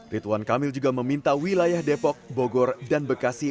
ridwan kamil juga meminta wilayah depok bogor dan bekasi